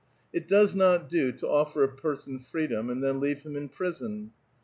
"" It does not do to offer a [)ei son free dom and then leave him in prison."